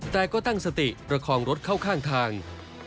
แต่ก็ตั้งสติประคองรถเข้าข้างทาง